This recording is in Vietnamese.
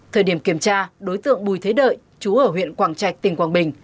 thời điểm kiểm tra đối tượng bùi thế đợi chú ở huyện quảng trạch tỉnh quảng bình